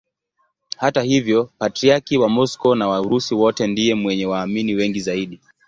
Hata hivyo Patriarki wa Moscow na wa Urusi wote ndiye mwenye waamini wengi zaidi.